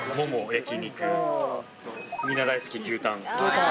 みんな大好き牛タン。